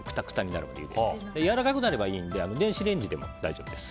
やわらかくなればいいので電子レンジでも大丈夫です。